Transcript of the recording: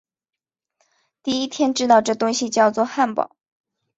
第一天知道这东西叫作汉堡